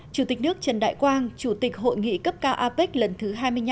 chủ tịch nước trần đại quang chủ tịch hội nghị cấp cao apec lần thứ hai mươi năm